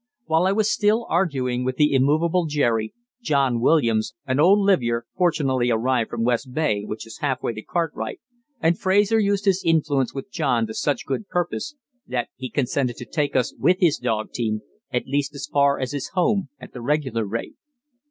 While I was still arguing with the immovable Jerry, John Williams, an old livyere, fortunately arrived from West Bay, which is half way to Cartwright, and Fraser used his influence with John to such good purpose that he consented to take us with his dog team at least as far as his home at the regular rate.